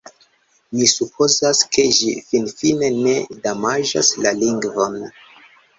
Mi supozas, ke ĝi finfine ne damaĝas la lingvon.